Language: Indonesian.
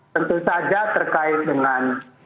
tentu saja terkait dengan